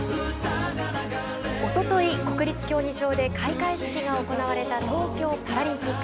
おととい国立競技場で開会式が行われた東京パラリンピック。